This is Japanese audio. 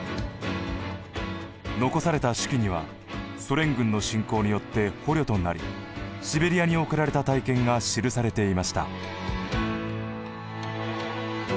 残された手記にはソ連軍の侵攻によって捕虜となりシベリアに送られた体験が記されていました。